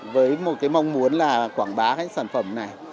với một cái mong muốn là quảng bá cái sản phẩm này